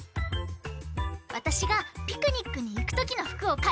わたしがピクニックにいくときのふくをかいてくれたよ。